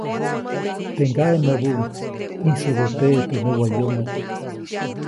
Teʼ ŋgaʼe näbuʼuŋ -ʼĩsubäteʼe teʼ näwayomo-.